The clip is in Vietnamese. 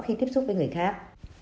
khi tiếp xúc với người khác